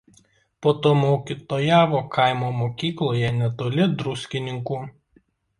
Po to mokytojavo kaimo mokykloje netoli Druskininkų.